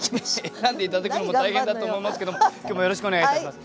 選んで頂くのも大変だと思いますけども今日もよろしくお願いいたします。